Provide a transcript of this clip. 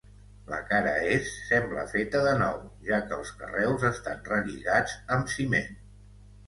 La cara est sembla feta de nou, ja que els carreus estan relligats amb ciment.